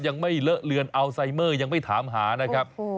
ยังไม่เลอะเลือนอัลไซเมอร์ยังไม่ถามหานะครับ